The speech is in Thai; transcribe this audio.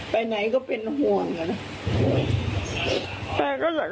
ไปไหนก็เป็นห่วงอะนะ